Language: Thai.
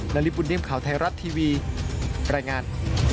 นาลีปุ่นนิ่มข่าวไทยรัตน์ทีวีแปรงงาน